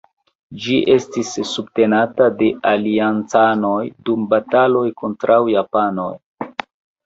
Ĝi estis subtenata de aliancanoj dum bataloj kontraŭ japanoj.